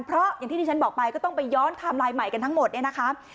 เพราะอย่างที่ที่ฉันบอกไปก็ต้องไปย้อนไทม์ไลน์ใหม่กันทั้งหมดเนี่ยนะคะ